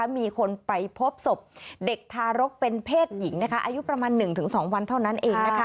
มีคนไปพบศพเด็กทารกเป็นเพศหญิงอายุประมาณ๑๒วันเท่านั้นเอง